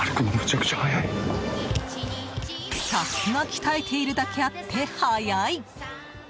さすが鍛えているだけあって速い！